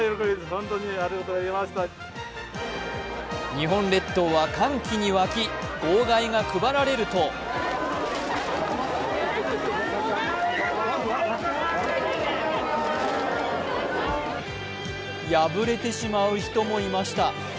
日本列島は歓喜に沸き、号外が配られると破れてしまう人もいました。